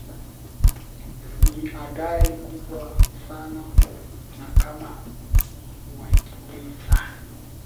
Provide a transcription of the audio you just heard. ni adhari kubwa sana na kama wakiweza